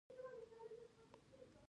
ته هېڅکله يوه سندرغاړې کېدای نه شې.